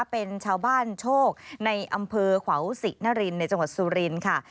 เป็นชาวบ้านโชคในอำเภอขวาวศินรินในจังหวัดสุรินทร์ค่ะ